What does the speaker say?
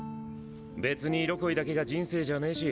別に色恋だけが人生じゃねぇし。